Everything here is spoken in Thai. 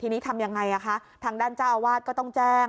ทีนี้ทำยังไงคะทางด้านเจ้าอาวาสก็ต้องแจ้ง